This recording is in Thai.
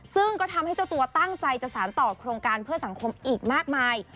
ซึ่งก็ทำให้เจ้าตัวตั้งใจจะสารต่อโครงการเพื่อสังคมอีกมากมาย